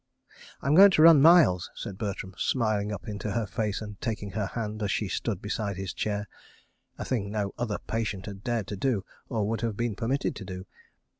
"I'm going to run miles," said Bertram, smiling up into her face and taking her hand as she stood beside his chair—a thing no other patient had dared to do or would have been permitted to do.